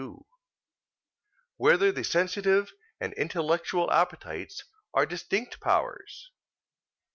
2] Whether the Sensitive and Intellectual Appetites Are Distinct Powers?